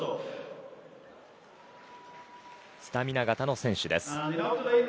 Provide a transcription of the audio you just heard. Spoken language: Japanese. スタミナ型の選手です。